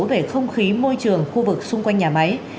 về không khí môi trường khu vực xung quanh nhà máy